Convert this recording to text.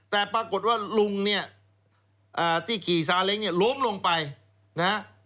แต่ปรากฏว่าลุงนี่ที่ขี่ซาเล็งล้มลงไปนะ